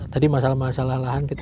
tadi masalah masalah lahan kita